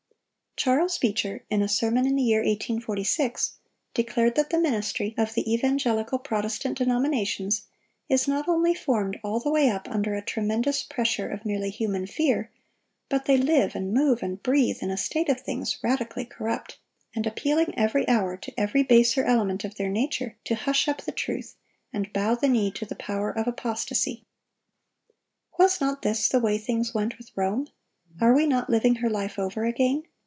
Charles Beecher, in a sermon in the year 1846, declared that the ministry of "the evangelical Protestant denominations" is "not only formed all the way up under a tremendous pressure of merely human fear, but they live, and move, and breathe in a state of things radically corrupt, and appealing every hour to every baser element of their nature to hush up the truth, and bow the knee to the power of apostasy. Was not this the way things went with Rome? Are we not living her life over again?